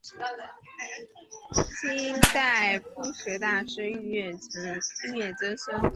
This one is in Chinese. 清代朴学大师俞樾曾孙。